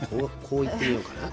こういってみようかな。